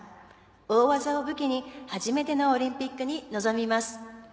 大技を武器に初めてのオリンピックに臨みます。